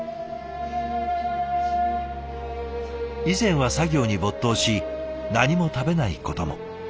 以前は作業に没頭し何も食べないことも。